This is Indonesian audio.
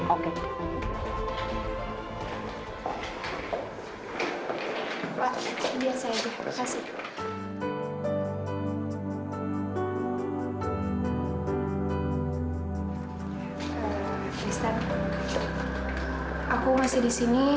aku nggak mau